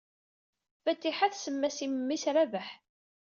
Fatiḥa tsemma-as i memmi-s Rabaḥ.